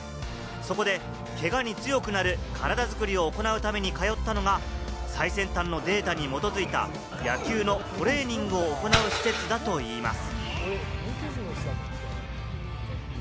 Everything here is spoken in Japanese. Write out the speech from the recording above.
そこで怪我に強くなる体作りを行うために通ったのが、最新先端のデータに基づいた野球のトレーニングを行う施設だといいます。